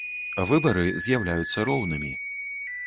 Выбары з’яўляюцца роўнымі.